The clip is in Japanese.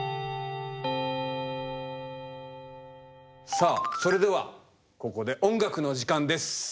さあそれではここで音楽の時間です。